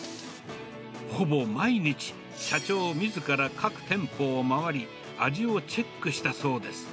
ほぼ毎日、社長みずから各店舗を回り、味をチェックしたそうです。